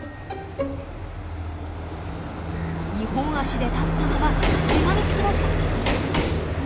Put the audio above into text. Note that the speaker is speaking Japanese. ２本足で立ったまましがみつきました！